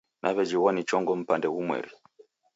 Naw'ejighwa ni chongo mpande ghumweri